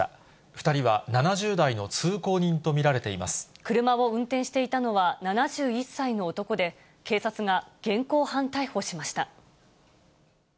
２人は７０代の通行人と見られて車を運転していたのは、７１歳の男で、警察が現行犯逮捕しました。